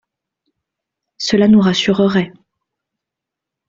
Cela nous rassurerait.